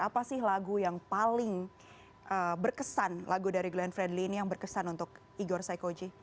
apa sih lagu yang paling berkesan lagu dari glenn fredly ini yang berkesan untuk igor saikoji